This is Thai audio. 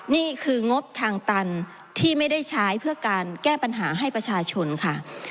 นี่คืองบทางตันที่ไม่ได้ใช้เพื่อการแก้ปัญหาให้ประชาชนค่ะ